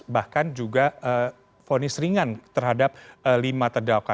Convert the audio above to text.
bahkan juga fonis ringan terhadap lima terdakwa